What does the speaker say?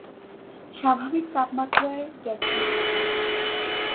স্বাভাবিক তাপমাত্রায় গ্যাসীয়।